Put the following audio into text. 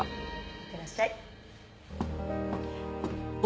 いってらっしゃい。